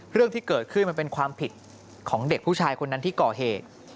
เรื่องที่เกิดขึ้นมันเป็นความผิดของเด็กผู้ชายคนนั้นที่ก่อเหตุ